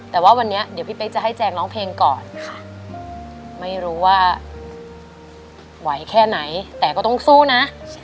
แต่ว่าวันนี้เดี๋ยวพี่เป๊กจะให้แจงร้องเพลงก่อนค่ะไม่รู้ว่าไหวแค่ไหนแต่ก็ต้องสู้นะ